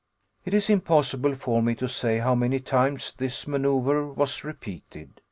It is impossible for me to say how many times this maneuver was repeated.